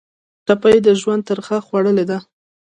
ټپي د ژوند ترخه خوړلې ده.